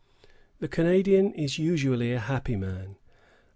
The Canadian is usually a happy man.